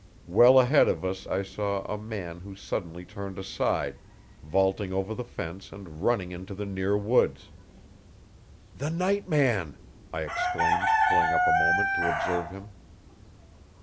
Well ahead of us I saw a man who suddenly turned aside, vaulting over the fence and running into the near woods. 'The night man!' I exclaimed, pulling up a moment to observe him.